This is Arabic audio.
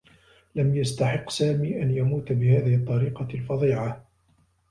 لم يستحقّ سامي أن يموت بهذه الطّريقة الفظيعة.